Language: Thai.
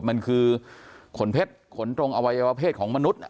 มันคือขนเพชรขนตรงอวัยวะเพศของมนุษย์